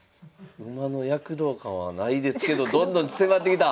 馬の躍動感はないですけどどんどん迫ってきた！